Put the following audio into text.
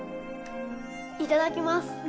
いただきます